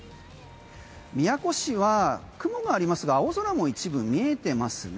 宮古市は雲がありますが青空も一部見えてますね。